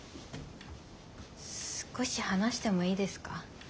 少し話してもいいですか？